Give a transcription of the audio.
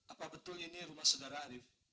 apa betul ini rumah saudara arief